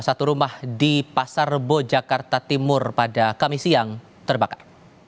satu rumah di pasar rebo jakarta timur pada kamis siang terbakar